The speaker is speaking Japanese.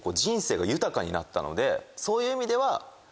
そういう意味では。